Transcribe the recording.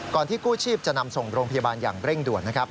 ก่อนที่กู้ชีพจะนำส่งโรงพยาบาลอย่างเร่งด่วน